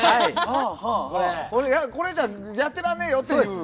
これはやってらんねえよっていう。